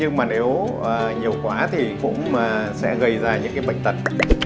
nhưng mà nếu nhiều quá thì cũng sẽ gây ra những cái bệnh tật